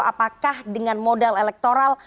apakah dengan modal elektoral